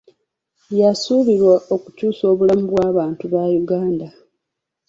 Y'esuubirwa okukyusa obulamu bw'abantu ba Buganda.